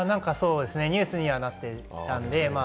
ニュースにはなっていたんで。